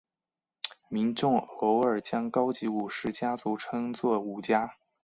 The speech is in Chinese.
民众偶尔将高级武士家族称作武家。